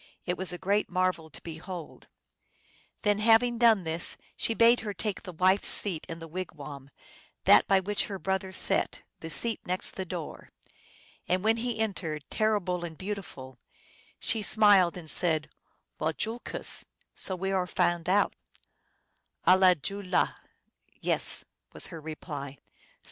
It was a great marvel to behold. Then, having done this, she bade her take the wife^s seat in the wigwam, that by which her brother sat, the seat next the door. And when He entered, terri ble and beautiful, he smiled and said, " Wayoolkoos !"" So we are found out !"" Alajulaa" " Yes," was her reply. So she became his wife.